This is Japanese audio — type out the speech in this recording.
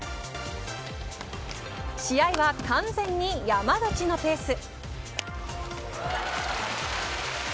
試合は完全に山口のペース。